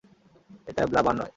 এটা ব্লাবার নয়!